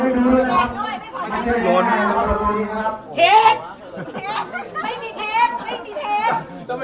ไม่หมดมีเยอะครับ